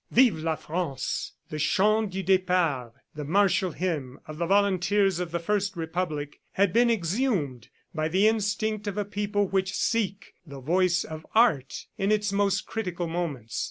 Vive la France!" The Chant du Depart, the martial hymn of the volunteers of the first Republic, had been exhumed by the instinct of a people which seek the voice of Art in its most critical moments.